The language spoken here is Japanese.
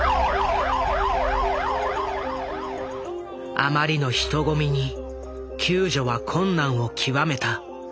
あまりの人混みに救助は困難を極めた。